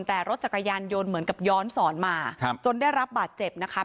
แต่รถจักรยานยนต์เหมือนกับย้อนสอนมาครับจนได้รับบาดเจ็บนะคะ